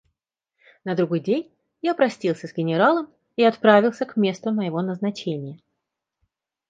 На другой день я простился с генералом и отправился к месту моего назначения.